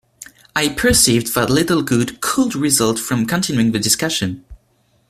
I perceived that little good could result from continuing the discussion.